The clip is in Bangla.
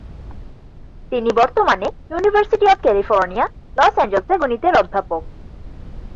তিনি বর্তমানে university of California, Los Angeles এর গণিতের অধ্যাপক।